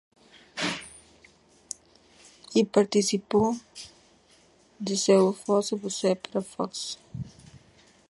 Y participó de Se Eu Fosse Você, para Fox.